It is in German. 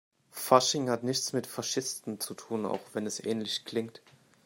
Fasching hat nichts mit Faschisten zu tun, auch wenn es ähnlich klingt.